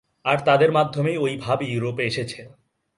আর তাদের মাধ্যমেই ঐ ভাব ইউরোপে এসেছে।